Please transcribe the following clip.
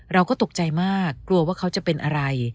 เราก็ตกใจมากกลัวว่าเขาจะเป็นอะไร